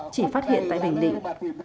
chỉ phát hiện tại bình định